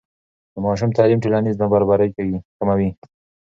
د ماشوم تعلیم ټولنیز نابرابري کموي.